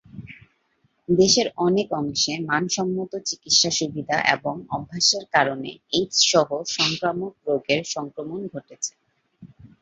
দেশের অনেক অংশে মানসম্মত চিকিৎসা সুবিধা এবং অভ্যাসের কারণে এইডস সহ সংক্রামক রোগের সংক্রমণ ঘটেছে।